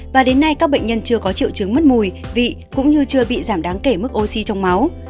và đến nay các bệnh nhân chưa có triệu chứng mất mùi vị cũng như chưa bị giảm đáng kể mức oxy trong máu